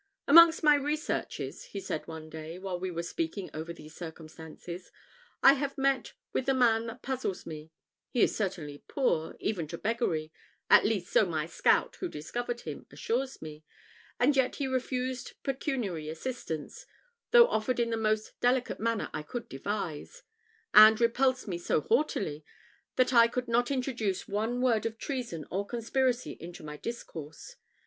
"Amongst my researches," said he one day, while we were speaking over these circumstances, "I have met with a man that puzzles me. He is certainly poor, even to beggary, at least so my scout, who discovered him, assures me; and yet he refused pecuniary assistance, though offered in the most delicate manner I could devise, and repulsed me so haughtily, that I could not introduce one word of treason or conspiracy into my discourse.